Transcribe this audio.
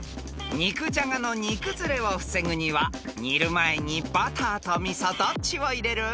［肉じゃがの煮崩れを防ぐには煮る前にバターと味噌どっちを入れる？］